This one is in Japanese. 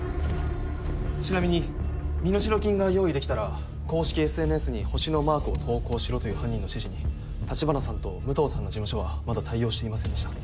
ちなみに身代金が用意できたら公式ＳＮＳに星のマークを投稿しろという犯人の指示に橘さんと武藤さんの事務所はまだ対応していませんでした。